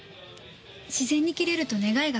自然に切れると願いが叶うんです。